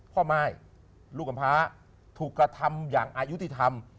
ม่ายลูกกำพาถูกกระทำอย่างอายุติธรรม